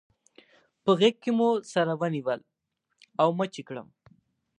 په غېږ کې مې سره ونیول او مچ يې کړم.